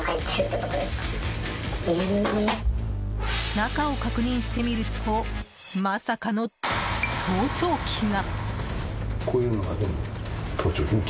中を確認してみるとまさかの盗聴器が。